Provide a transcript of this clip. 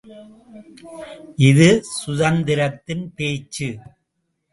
இது சுந்தரத்தின் பேச்சு.